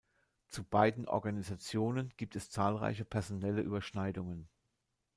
Zu beiden Organisationen gibt es zahlreiche personelle Überschneidungen.